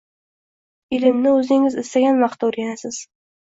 Ilmni o’zingiz istagan vaqtda o’rganasiz